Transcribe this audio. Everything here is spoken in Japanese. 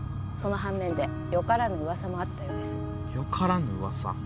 その反面でよからぬ噂もあったようですよからぬ噂？